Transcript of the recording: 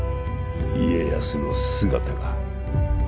家康の姿が。